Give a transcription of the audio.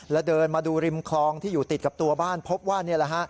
แล้วเดินมาดูริมคลองที่อยู่ติดกับตัวบ้านพบว่านี่แหละฮะ